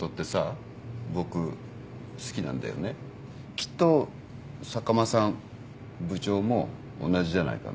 きっと坂間さん部長も同じじゃないかな。